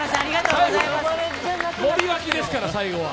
「森脇」ですから、最後は。